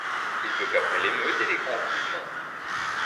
Il veut qu'après l'émeute et les grands coups de main